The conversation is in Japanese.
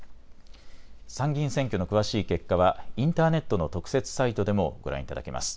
参議院選挙の詳しい結果はインターネットの特設サイトでもご覧いただけます。